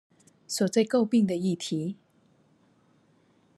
所最詬病的議題